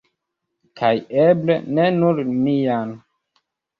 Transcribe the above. Kaj eble, ne nur mian.